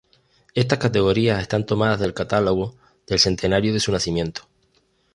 Estas categorías están tomadas del catálogo del centenario de su nacimiento.